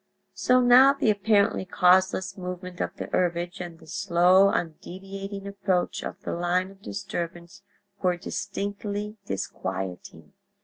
So now the apparently causeless movement of the herbage, and the slow, undeviating approach of the line of disturbance were distinctly disquieting.